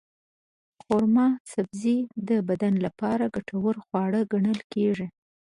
قورمه سبزي د بدن لپاره ګټور خواړه ګڼل کېږي.